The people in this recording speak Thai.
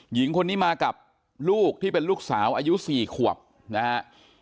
หญิงคนนี้มากับลูกที่เป็นลูกสาวอายุ๔ขวบนะฮะ